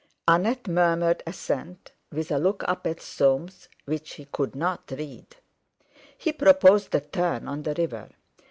Annette murmured assent, with a look up at Soames which he could not read. He proposed a turn on the river.